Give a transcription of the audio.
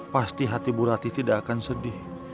pasti hati bu rati tidak akan sedih